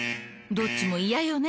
どっちもイヤよね？